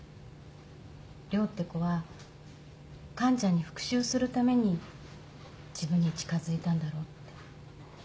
涼って子は完ちゃんに復讐するために自分に近づいたんだろうって。